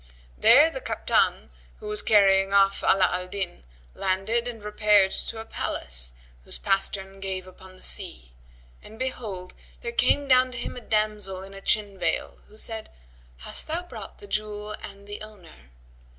There the Kaptan, who was carrying off Ala al Din, landed and repaired to a palace whose pastern gave upon the sea, and behold, there came down to him a damsel in a chin veil who said, "Hast thou brought the jewel and the owner?"